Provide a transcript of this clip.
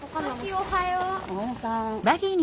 おはよう。